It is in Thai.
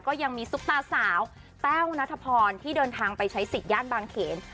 ก็ยังมีซุปตาสาวแต้วนัทพรที่เดินทางไปใช้สิทธิย่านบางเขน